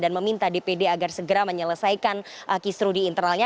dan meminta dpd agar segera menyelesaikan kisru di internalnya